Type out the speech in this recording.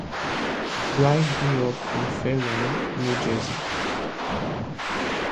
Bly grew up in Fair Lawn, New Jersey.